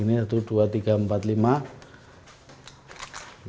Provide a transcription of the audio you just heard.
ini saya anggap sudah jadi tapi coba bu dilihat hasilnya